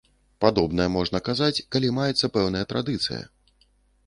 Падобнае можна казаць, калі маецца пэўная традыцыя.